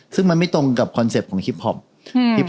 ซึ่งมันไม่ตรงกับคอนเซ็ปต์ของฮิปพอป